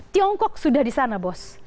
tiongkok sudah di sana bos